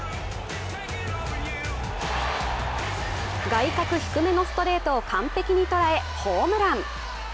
外角低めのストレートを完璧に捉え、ホームラン。